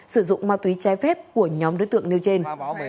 sử dụng ma túy trái phép của nhóm đối tượng nêu trên